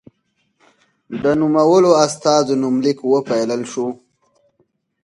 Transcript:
د نومولو استازو نومليک وپايلل شو.